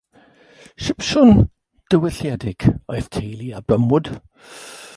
Sipsiwn diwylliedig oedd teulu Abram Wood.